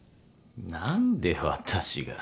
何で私が？